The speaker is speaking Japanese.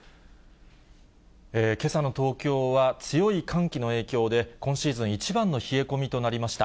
けさの東京は強い寒気の影響で、今シーズン一番の冷え込みとなりました。